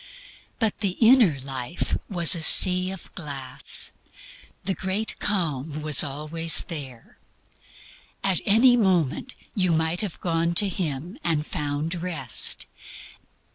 But the inner life was a sea of glass. The great calm was always there. At any moment you might have gone to Him and found Rest.